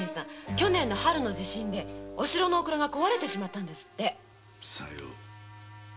去年の春の地震でお城のお蔵が崩れてしまったんですって。